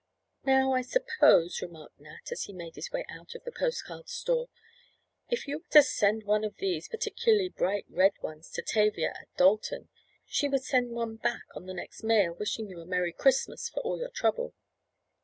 "Now I suppose," remarked Nat, as he made his way out of the post card store, "if you were to send one of these particularly bright red ones to Tavia at Dalton she would send one back on the next mail, wishing you a merry Christmas, for all your trouble.